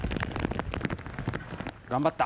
頑張った。